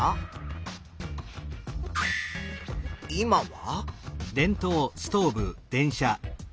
今は？